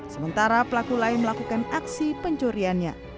sementara pelaku lain melakukan aksi pencuriannya